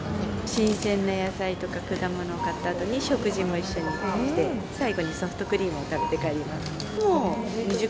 新鮮な野菜とか果物買ったあとに、食事も一緒にして、最後にソフトクリームを食べて帰ります。